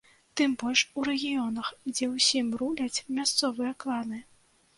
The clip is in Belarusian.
Тым больш у рэгіёнах, дзе ўсім руляць мясцовыя кланы.